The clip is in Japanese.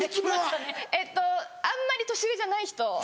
あんまり年上じゃない人。